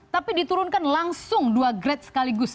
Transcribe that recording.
tapi diturunkan langsung dua grade sekaligus